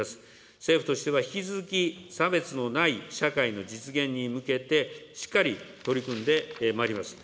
政府としては引き続き、差別のない社会の実現に向けて、しっかり取り組んでまいります。